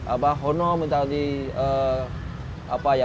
apa hono mencari apa ya